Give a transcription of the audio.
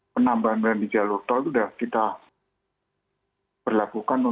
penambahan di jalur tol itu sudah kita berlakukan